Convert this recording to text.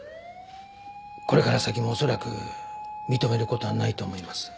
これから先も恐らく認める事はないと思います。